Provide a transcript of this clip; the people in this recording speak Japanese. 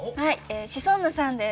シソンヌさんです。